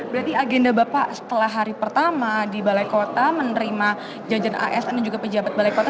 berarti agenda bapak setelah hari pertama di balai kota menerima jajan asn dan juga pejabat balai kota